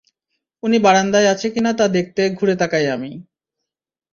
উনি বারান্দায় আছে কি না তা দেখতে ঘুরে তাকাই আমি।